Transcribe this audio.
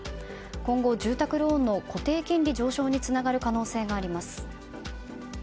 今後、住宅ローンの固定金利上昇につながる可能性があります。